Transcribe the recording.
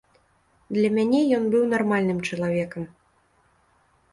Для мяне ён быў нармальным чалавекам.